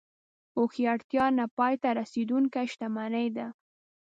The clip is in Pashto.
هوښیارتیا نه پای ته رسېدونکې شتمني ده.